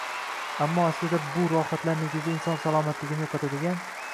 Ammo aslida bu rohatlar negizida inson salomatligini yo’qotadigan